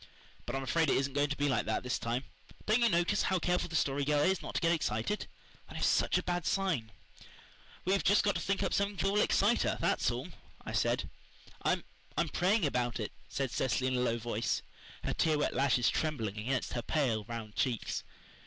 But I'm afraid it isn't going to be like that this time. Don't you notice how careful the Story Girl is not to get excited? That is such a bad sign." "We've just got to think up something that will excite her, that's all," I said. "I'm I'm praying about it," said Cecily in a low voice, her tear wet lashes trembling against her pale, round cheeks.